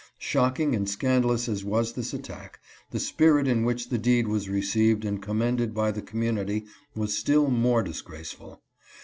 Shocking and scandalous as was this attack, the spirit in which the deed was received and commended by the community was still more disgraceful.